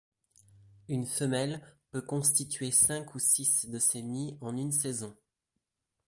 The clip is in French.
Une femelle peut constituer cinq ou six de ces nids en une saison.